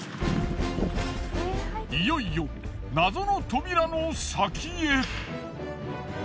いよいよ謎の扉の先へ。